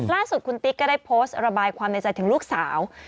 ล่าสุดคุณติ๊กก็ได้โพสต์ระบายความในใจถึงลูกสาว